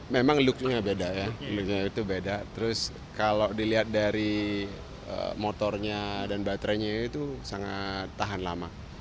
memang looknya beda terus kalau dilihat dari motornya dan baterainya itu sangat tahan lama